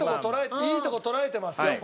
いいとこ捉えてますよ。